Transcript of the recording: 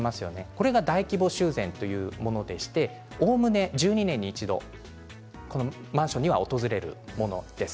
これが大規模修繕というものでおおむね１２年に一度このマンションには訪れるものです。